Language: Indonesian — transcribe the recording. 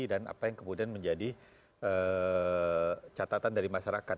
dan apa yang kemudian menjadi catatan dari masyarakat